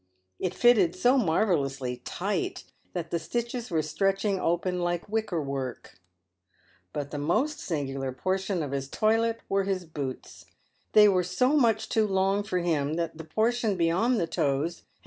It fitted so marvellously tight that the stitches were stretching open like wickerwork. But the most singular portion of his toilet were his boots. They ere so much too long for him that the portion beyond the toes had 86 PAYED WITH GOLD.